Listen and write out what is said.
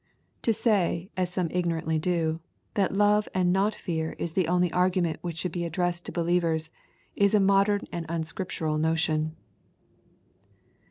To say, as some ignorantly do, that love, and not fear, is the only argument which should be addressed to biilievers, is a modem and unscriptural notion.